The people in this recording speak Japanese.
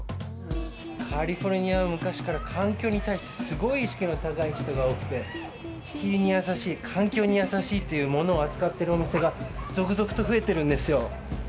カリフォルニアは昔から環境に対して、すごい意識の高い人が多くて、地球に優しい、環境に優しいというものを扱っているお店が続々と増えているんですよ。